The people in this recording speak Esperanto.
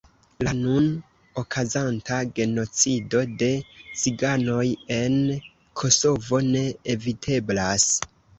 La nun okazanta genocido de ciganoj en Kosovo ne eviteblas.